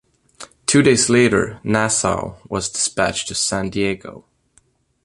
Two days later, "Nassau" was dispatched to San Diego.